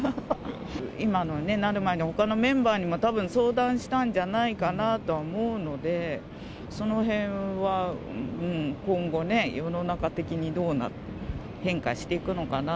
今のね、なる前に、ほかのメンバーにもたぶん、相談したんじゃないかなとは思うので、そのへんは今後ね、世の中的にどう変化していくのかな。